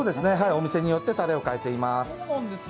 お店によって、たれを変えています。